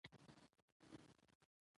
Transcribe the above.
افغانستان کې د اوښانو د پرمختګ هڅې روانې دي.